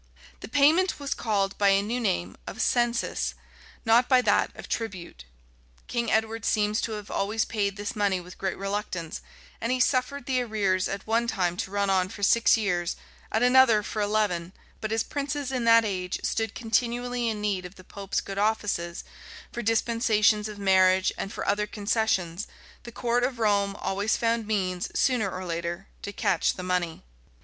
The payment was called by a new name of "census," not by that of tribute. King Edward seems to have always paid this money with great reluctance; and he suffered the arrears at one time to run on for six years,[] at another for eleven:[] but as princes in that age stood continually in need of the pope's good offices, for dispensations of marriage and for other concessions, the court of Rome always found means, sooner or later, to catch the money.